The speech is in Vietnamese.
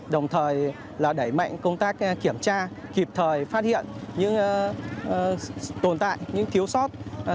đồng thời là đẩy mạnh công tác kiểm tra kịp thời phát hiện những tồn tại những thiếu sót